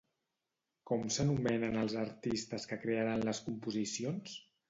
Com s'anomenen els artistes que crearen les composicions?